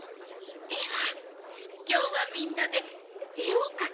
ではきょうはみんなでえをかきましょうか。